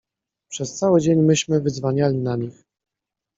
Przez cały dzień myśmy wydzwaniali na nich.